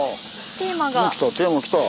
テーマ来た。